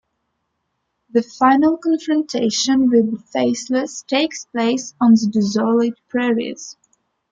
The final confrontation with The Faceless takes place on the desolate prairies.